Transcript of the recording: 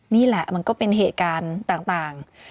นี่แหละมันก็เป็นเหตุการณ์ต่าง